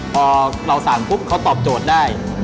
พอเราสั่งปุ๊บเขาตอบโจทย์ได้